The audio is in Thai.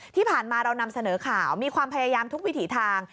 ที่ผ่านมาเรานำเสนอข่าวมีความพยายามทุกวิถีทาง